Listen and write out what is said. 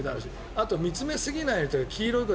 あと、見つめすぎないのと黄色い声。